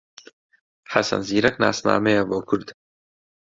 حەسەن زیرەک ناسنامەیە بۆ کورد